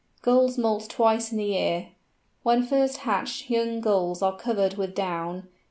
Gulls moult twice in the year. When first hatched young Gulls are covered with down.